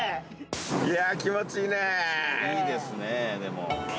いいですねでも。